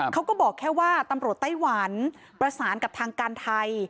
เขาก็บอกแค่ว่าตำรวจไต้หวันประสานกับทางการไทย